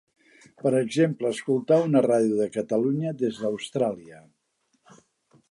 Per exemple escoltar una ràdio de Catalunya des d'Austràlia.